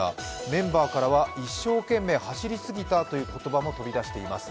メンバーからは一生懸命走りすぎたという言葉も飛び出しています。